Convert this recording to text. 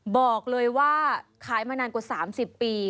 บอกเลยว่าขายมานานกว่า๓๐ปี